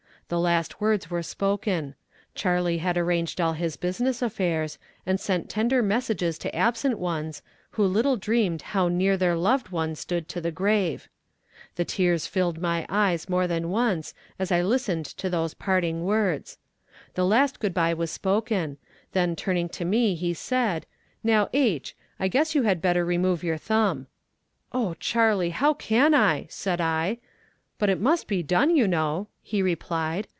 The last words were spoken. Charley had arranged all his business affairs, and sent tender messages to absent ones, who little dreamed how near their loved one stood to the grave. The tears filled my eyes more than once as I listened to those parting words. The last good bye was spoken; then turning to me, he said: 'Now, H , I guess you had better remove your thumb.' 'Oh, Charley! how can I,' said I. 'But it must be done, you know,' he replied.